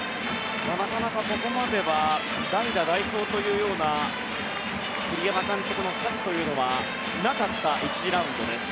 なかなかここまでは代打、代走というような栗山監督の策というのはなかった１次ラウンドです。